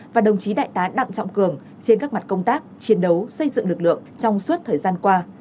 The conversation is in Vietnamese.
và đồng chí đại tá đặng trọng cường trên các mặt công tác chiến đấu xây dựng lực lượng trong suốt thời gian qua